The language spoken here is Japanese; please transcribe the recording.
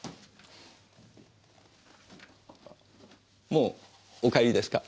もうお帰りですか？